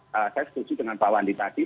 saya setuju dengan pak wandi tadi